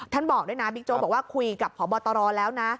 บอกด้วยนะบิ๊กโจ๊กบอกว่าคุยกับพบตรแล้วนะ